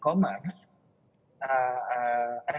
kamu baru menggunakan e commerce